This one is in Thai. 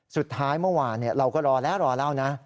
สุดท้ายเมื่อวานเนี่ยเราก็รอแล้วรอแล้วนะ